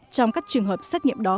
trong các trường hợp xét nghiệm đó